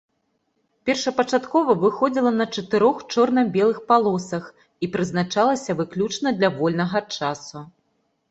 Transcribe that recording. Першапачаткова выходзіла на чатырох чорна-белых палосах і прызначалася выключна для вольнага часу.